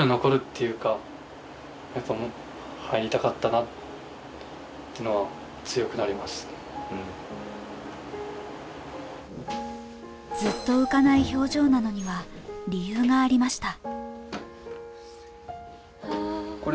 でも、拓真君はずっと浮かない表情なのには理由がありました。